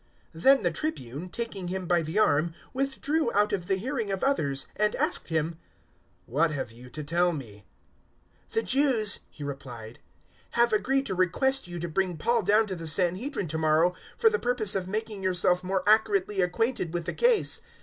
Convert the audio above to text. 023:019 Then the Tribune, taking him by the arm, withdrew out of the hearing of others and asked him, "What have you to tell me?" 023:020 "The Jews," he replied, "have agreed to request you to bring Paul down to the Sanhedrin to morrow for the purpose of making yourself more accurately acquainted with the case.